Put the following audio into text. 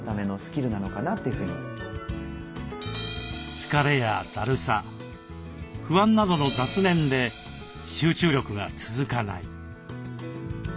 疲れやだるさ不安などの雑念で集中力が続かない。